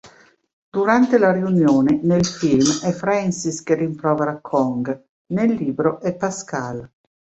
Durante la riunione, nel film è Francis che rimprovera Kong, nel libro è Pascal.